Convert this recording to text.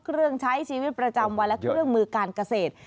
เครื่องใช้ชีวิตประจำวันและเครื่องมือการเกษตร